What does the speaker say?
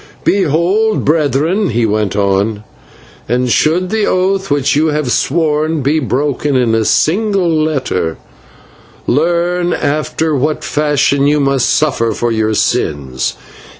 "Behold, Brethren," he went on, "and should the oath which you have sworn be broken in a single letter, learn after what fashion you must suffer for your sins.